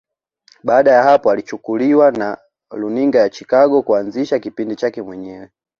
Baada ya hapo alichukuliwa na Runinga ya Chicago kuanzisha kipindi chake mwenyewe